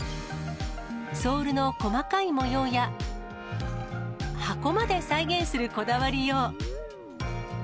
ソールの細かい模様や、箱まで再現するこだわりよう。